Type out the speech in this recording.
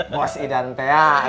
bos idan teh ya